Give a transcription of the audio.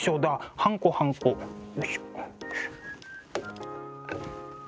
はんこはんこよいしょ。